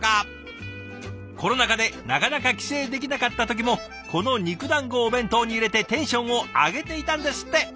コロナ禍でなかなか帰省できなかった時もこの肉だんごをお弁当に入れてテンションを上げていたんですって！